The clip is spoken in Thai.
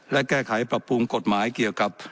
และแก้ไขประพูลกฎหมายเกี่ยวกับ